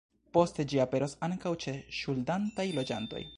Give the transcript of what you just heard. Poste ĝi aperos ankaŭ ĉe ŝuldantaj loĝantoj.